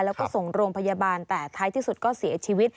แล้วก็ส่งโรงพยาบาลแต่ท้ายที่สุดก็เสียชีวิต